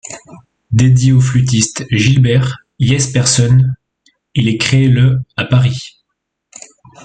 Dédié au flûtiste Gilbert Jespersen, il est créé le à Paris.